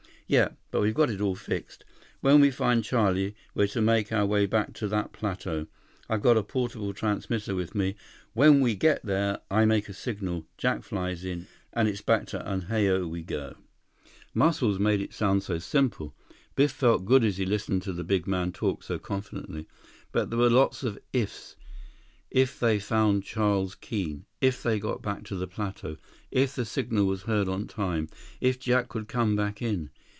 "Yep. But we've got it all fixed. When we find Charlie, we're to make our way back to that plateau. I've got a portable transmitter with me. When we get there, I make a signal. Jack flies in, and it's back to Unhao we go." 119 Muscles made it sound so simple. Biff felt good as he listened to the big man talk so confidently. But there were lots of "ifs"—if they found Charles Keene, if they got back to the plateau, if the signal was heard on time, if Jack could come back in.